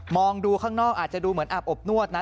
ดูข้างนอกอาจจะดูเหมือนอาบอบนวดนะ